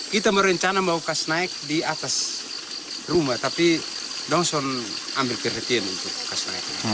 kita merencana mau kesana di atas rumah tapi kita ambil perhatian untuk kesana